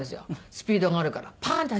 スピードがあるからパーンって。